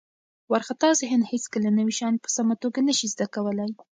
وارخطا ذهن هیڅکله نوي شیان په سمه توګه نه شي زده کولی.